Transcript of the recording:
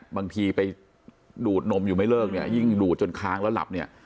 บางทีไปดูดนมอยู่ไม่เลิกเนี่ยยิ่งดูดจนค้างแล้วหลับเนี่ย